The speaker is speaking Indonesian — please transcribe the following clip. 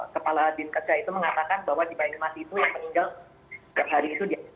kepala din kc itu mengatakan bahwa di bain mas itu yang meninggal setiap hari itu dia